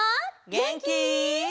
げんき？